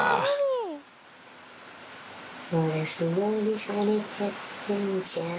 素通りされちゃってんじゃん。